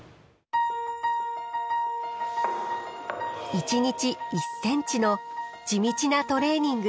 １日１センチの地道なトレーニング。